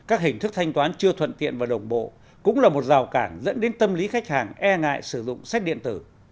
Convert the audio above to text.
các hình thức thanh toán chưa thuận tiện và đồng bộ cũng là một rào cản dẫn đến tâm lý khách hàng e ngại sử dụng sách điện tử